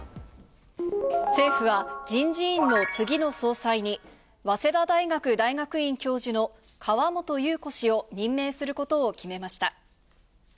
政府は人事院の次の総裁に早稲田大学大学院教授の川本裕子氏を任命することを決めました。